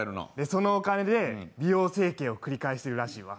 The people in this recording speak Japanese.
そのお金で美容整形を繰り返しているらしいわ。